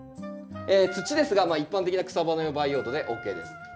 土ですが一般的な草花培養土でＯＫです。